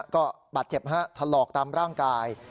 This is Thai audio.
ก็บาดเจ็บฮะถลอกตามร่างกาย